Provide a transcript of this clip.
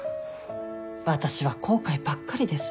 私は後悔ばっかりです。